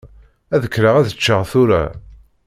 Ad kkreɣ ad ččeɣ tura.